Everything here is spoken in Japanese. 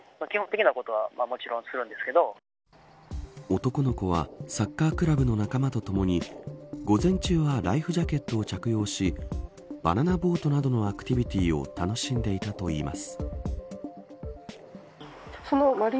男の子はサッカークラブの仲間とともに午前中はライフジャケットを着用しバナナボートなどのアクティビティを楽しんでいたといいます。